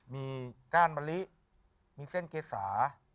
มีการบลิมีเส้นเครสา